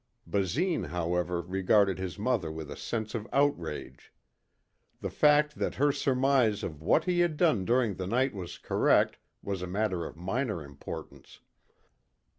Basine, however regarded his mother with a sense of outrage. The fact that her surmise of what he had done during the night was correct was a matter of minor importance.